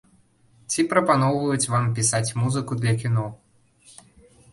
Ці прапаноўваюць вам пісаць музыку для кіно.